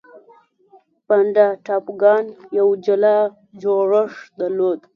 بانډا ټاپوګان یو جلا جوړښت درلود.